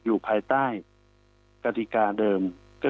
อยู่ภายใต้กฎิกาเดิม